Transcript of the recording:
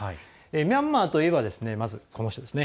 ミャンマーといえばまずこの人ですね。